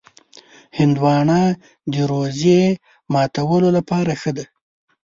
هندوانه د روژې ماتولو لپاره ښه ده.